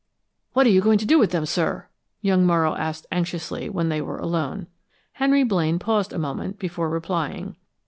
"What are you going to do with them, sir?" young Morrow asked anxiously when they were alone. Henry Blaine paused a moment before replying.